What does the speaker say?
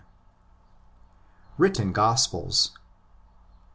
Written Gospels.